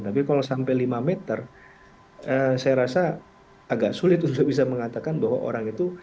tapi kalau sampai lima meter saya rasa agak sulit untuk bisa mengatakan bahwa orang itu